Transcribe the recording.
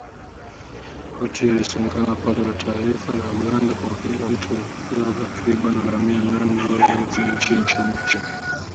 Ripoti hiyo ilisema pato la taifa la Uganda kwa kila mtu lilifikia takriban dola mia nane mwaka wa elfu mbili ishirini na kuiacha nchi hiyo chini ya mapato ya chini